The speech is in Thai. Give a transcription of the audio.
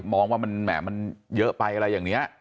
มองว่ามันแหมมันเยอะไปอะไรอย่างนี้